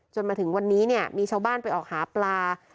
จนถึงวันนี้เนี่ยมีชาวบ้านไปออกหาปลา